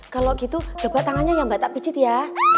kalau gitu coba tangannya ya mbak tak pijet ya